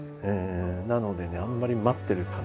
なのでねあんまり待ってる感じは。